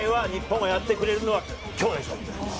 日本がやってくれるのはきょうでしょう。